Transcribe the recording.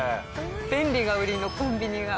便利が売りのコンビニが。